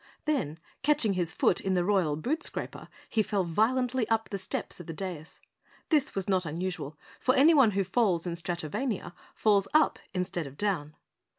Then, catching his foot in the royal boot scraper, he fell violently up the steps of the dais. This was not unusual, for anyone who falls in Stratovania, falls up instead of down.